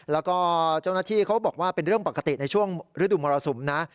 แล้วก็เจ้าหน้าที่เขาบอกว่าเป็นเรื่องปกติในช่วงฤดูมรสุมนะ